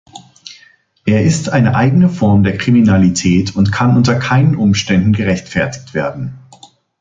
Er ist eine eigene Form der Kriminalität und kann unter keinen Umständen gerechtfertigt werden.